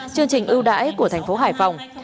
chương trình ưu đãi của thành phố hải phòng